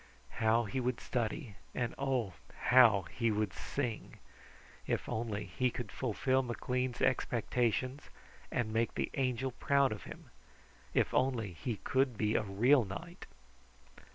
How he would study, and oh, how he would sing! If only he could fulfill McLean's expectations, and make the Angel proud of him! If only he could be a real knight!